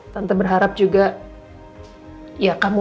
tante berharap juga ya kamu